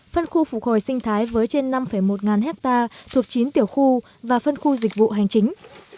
phân khu phục hồi sinh thái với trên năm một nghìn hectare thuộc chín tiểu khu và phân khu dịch vụ hành chính